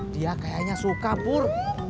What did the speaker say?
dia kayaknya suka pur